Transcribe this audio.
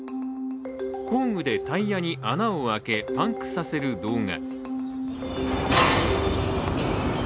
工具でタイヤに穴を開けパンクさせる動画。